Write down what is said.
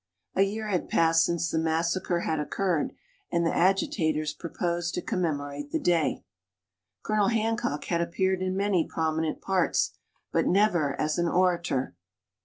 A year had passed since the massacre had occurred, and the agitators proposed to commemorate the day. Colonel Hancock had appeared in many prominent parts, but never as an orator.